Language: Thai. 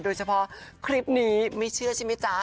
โดยเฉพาะคลิปนี้ไม่เชื่อใช่ไหมจ๊ะ